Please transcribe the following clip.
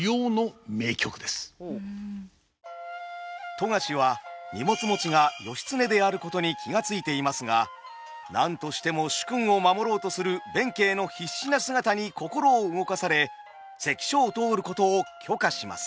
富樫は荷物持ちが義経であることに気が付いていますが何としても主君を守ろうとする弁慶の必死な姿に心を動かされ関所を通ることを許可します。